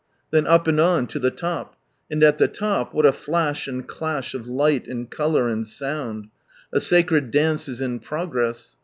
Then up, and on, lo the lop. And at the top, what a flash and clash of light, and colour, and sound. A sacred dance is in progress.